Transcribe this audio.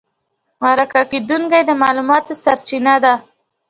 مرکه کېدونکی د معلوماتو سرچینه ده.